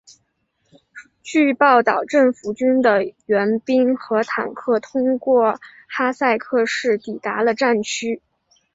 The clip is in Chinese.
据报道政府军的援兵和坦克通过哈塞克市抵达了战区。